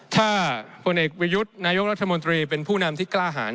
ถ้าพวกนี้วิยุธนายกรรภมนตรีเป็นผู้นำที่กล้าหาร